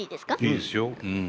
いいですようん。